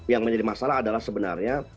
yang menjadi masalah adalah sebenarnya